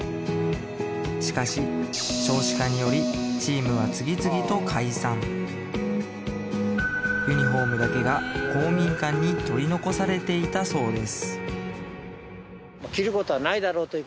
しかし少子化によりチームは次々と解散ユニフォームだけが公民館に取り残されていたそうです